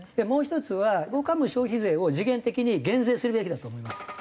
もう１つは僕はもう消費税を時限的に減税するべきだと思います。